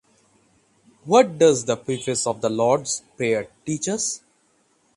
What does the preface of the Lord’s Prayer teach us?